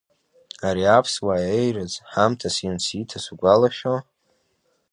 Ари аԥсуа еирыӡ ҳамҭас иансиҭаз угәалашәо?